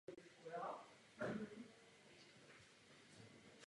Má italské předky a má italské i brazilské státní občanství.